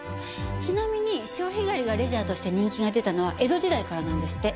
ちなみに潮干狩りがレジャーとして人気が出たのは江戸時代からなんですって。